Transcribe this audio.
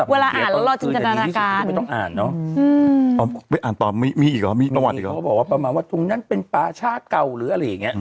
เวลาอ่านแล้วลอดจริงจันทราบการณ์